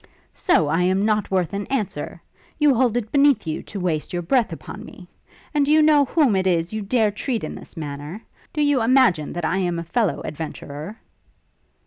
'So I am not worth an answer? You hold it beneath you to waste your breath upon me? And do you know whom it is you dare treat in this manner? Do you imagine that I am a fellow adventurer?'